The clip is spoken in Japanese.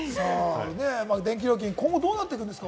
電気料金、今後どうなっていくんですか？